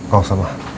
gak usah ma